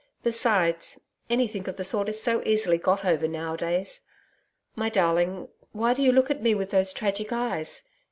Besides, anything of the sort is so easily got over nowadays. My darling, why do you look at me with those tragic eyes?